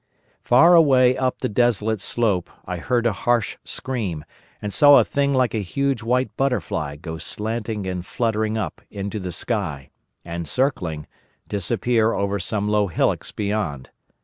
"Far away up the desolate slope I heard a harsh scream, and saw a thing like a huge white butterfly go slanting and fluttering up into the sky and, circling, disappear over some low hillocks beyond.